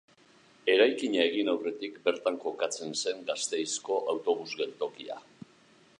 Eraikina egin aurretik bertan kokatzen zen Gasteizko autobus geltokia.